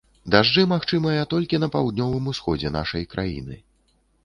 Дажджы магчымыя толькі на паўднёвым усходзе нашай краіны.